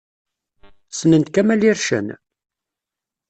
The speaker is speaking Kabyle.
Ssnent Kamel Ircen?